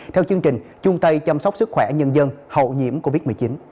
theo chương trình trung tây chăm sóc sức khỏe nhân dân hậu nhiễm covid một mươi chín